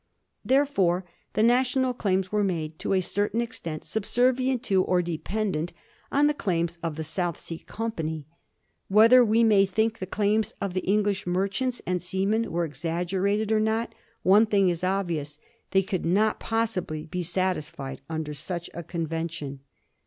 Therefore the national claims were made, to a certain extent, subservient to, or dependent on, the claims of the South Sea Company. Whether we may think the claims of the English, merchants and seamen were exag gerated or not, one thing is obvious : they could not pos sibly be satisfied under such a convention.